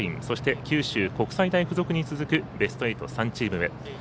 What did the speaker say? そして九州国際大付属に続くベスト８、３チーム。